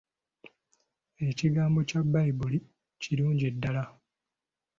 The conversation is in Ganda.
Ekigambo kya Baibuli kirungi ddala.